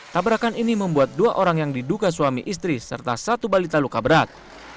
tabrakan ini membuat dua orang yang diduga suami istri serta satu balita luka berat